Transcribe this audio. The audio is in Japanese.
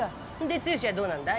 で剛はどうなんだ？